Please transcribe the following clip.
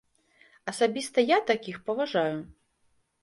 Асабіста я такіх паважаю.